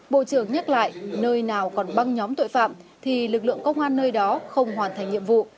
bộ trưởng nhắc lại nơi nào còn băng nhóm tội phạm thì lực lượng công an nơi đó không hoàn thành nhiệm vụ